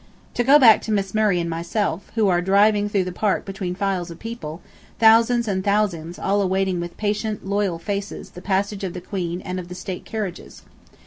To go back to Miss Murray and myself, who are driving through the park between files of people, thousands and thousands all awaiting with patient, loyal faces the passage of the Queen and of the State carriages.